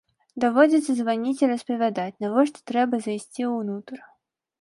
Даводзіцца званіць і распавядаць, навошта трэба зайсці ўнутр.